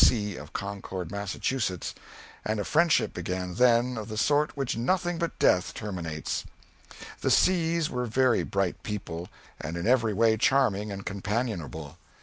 P. C., of Concord, Massachusetts, and a friendship began then of the sort which nothing but death terminates. The C.'s were very bright people and in every way charming and companionable.